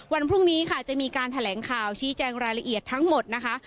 วันพรุ่งนี้ค่ะจะมีการแถลงข่าวชี้แจงรายละเอียดทั้งหมดนะคะ